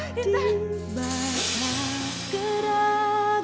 kamu bukan intan